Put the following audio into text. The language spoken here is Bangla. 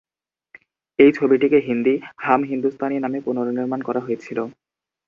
এই ছবিটিকে হিন্দিতে "হাম হিন্দুস্তানি" নামে পুনর্নির্মাণ করা হয়েছিল।